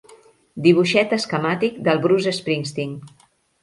Dibuixet esquemàtic del Bruce Springsteen.